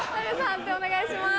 判定お願いします。